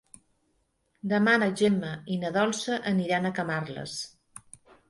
Demà na Gemma i na Dolça aniran a Camarles.